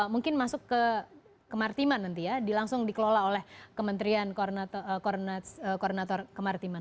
mungkin masuk ke kemaritiman nanti ya langsung dikelola oleh kementerian koordinator kemaritiman